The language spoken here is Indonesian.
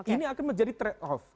ini akan menjadi trade off